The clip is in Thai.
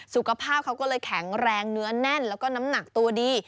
สุขภาพเขาก็เลยแข็งแรงเนื้อแน่นแล้วก็น้ำหนักตัวดี